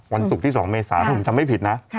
วันศุกร์ที่๒เมษาถ้าผมจำไม่ผิดนะ